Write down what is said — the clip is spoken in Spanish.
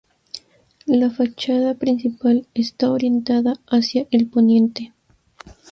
La fachada principal está orientada hacia el poniente.